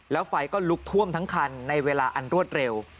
แล้วไฟก็ลุกท่วมทั้งคันในเวลาอันรวดเร็ว